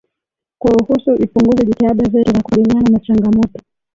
kuruhusu ipunguze jitihada zetu za kukabiliana na changamoto